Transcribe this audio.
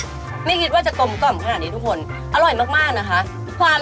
ไม่มีคิดว่าจะกรมเกรอบขนาดนี้ทุกคนอร่อยมากนะคะ